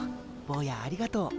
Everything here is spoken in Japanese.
ぼうやありがとう。